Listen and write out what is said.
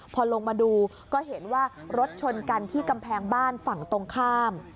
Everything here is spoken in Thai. พอลงมาดูก็เห็นว่ารถชนกันที่กำแพงบ้านฝั่งตรงข้าม